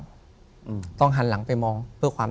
ถูกต้องไหมครับถูกต้องไหมครับ